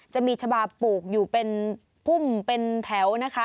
จะมีชะบาปลูกอยู่เป็นพุ่มเป็นแถวนะคะ